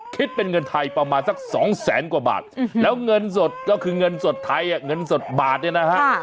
คิดเป็นเงินไทยประมาณสักสองแสนกว่าบาทแล้วเงินสดก็คือเงินสดไทยเงินสดบาทเนี่ยนะฮะ